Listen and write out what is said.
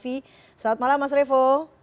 selamat malam mas revo